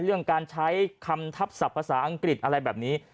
เรื่องการใช้คำทับศัพท์ภาษาอังกฤษอะไรแบบนี้